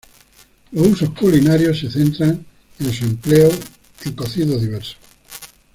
Los usos culinarios se centran en su empleo en cocidos diversos.